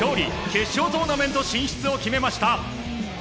決勝トーナメント進出を決めました。